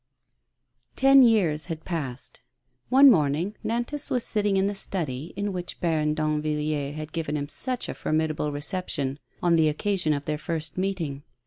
T en years had passed. One morning Nantas was sitting in the study in which Baron Dan villi ers had given him such a formidable reception on the occasion of their first meeting.